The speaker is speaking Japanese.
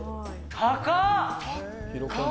高っ。